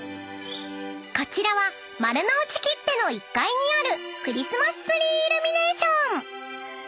［こちらは丸の内ＫＩＴＴＥの１階にあるクリスマスツリーイルミネーション］